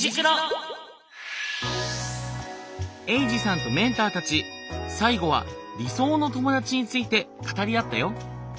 エイジさんとメンターたち最後は理想の友達について語り合ったよ。